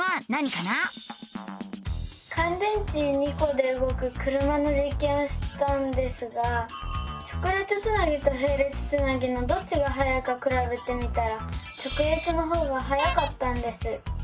かん電池２コでうごく車のじっけんをしたんですが直列つなぎとへい列つなぎのどっちがはやいかくらべてみたら直列のほうがはやかったんです。